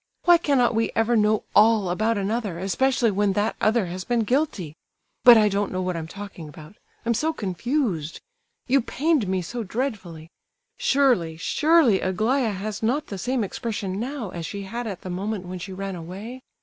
Why cannot we ever know all about another, especially when that other has been guilty? But I don't know what I'm talking about—I'm so confused. You pained me so dreadfully. Surely—surely Aglaya has not the same expression now as she had at the moment when she ran away?